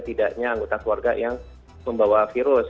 tidaknya anggota keluarga yang membawa virus